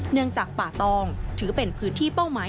เนื่องจากป่าตองถือเป็นพื้นที่เป้าหมาย